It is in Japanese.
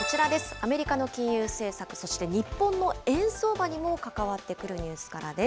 アメリカの金融政策、そして日本の円相場にも関わってくるニュースからです。